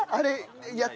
やった？